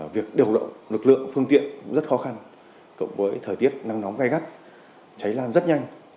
việc điều động lực lượng phương tiện cũng rất khó khăn cộng với thời tiết nắng nóng gai gắt cháy lan rất nhanh